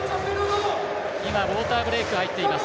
ウォーターブレイクに入っています。